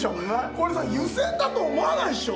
これさ湯煎だと思わないっしょ。